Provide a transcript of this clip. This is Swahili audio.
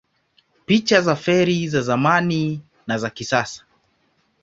Picha za feri za zamani na za kisasa